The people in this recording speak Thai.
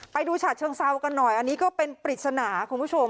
ฉะเชิงเซากันหน่อยอันนี้ก็เป็นปริศนาคุณผู้ชม